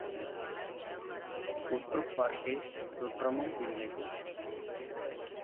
உற்றுப் பார்க்கில் சுற்றம் இல்லை.